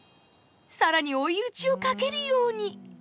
更に追い打ちをかけるように。